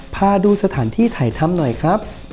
พาดูสถานที่ถ่ายทำหน่อยครับ